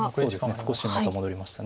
少しまた戻りました